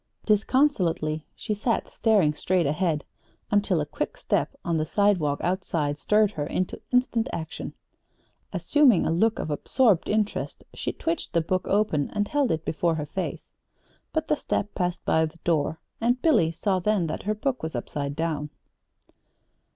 Disconsolately she sat staring straight ahead until a quick step on the sidewalk outside stirred her into instant action. Assuming a look of absorbed interest she twitched the book open and held it before her face.... But the step passed by the door: and Billy saw then that her book was upside down.